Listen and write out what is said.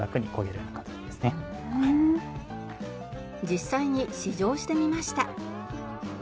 実際に試乗してみました。